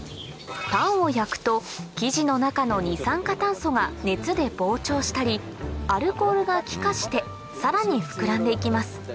パンを焼くと生地の中の二酸化炭素が熱で膨張したりアルコールが気化してさらにふくらんで行きます